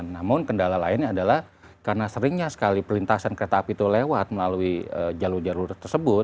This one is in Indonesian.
namun kendala lainnya adalah karena seringnya sekali perlintasan kereta api itu lewat melalui jalur jalur tersebut